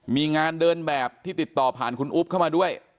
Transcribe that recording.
มีงานเดินแบบที่ติดต่อผ่านคุณอุ๊บเข้ามาด้วย